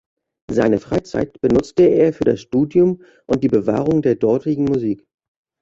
Seine Freizeit benutzte er für das Studium und die Bewahrung der dortigen Musik.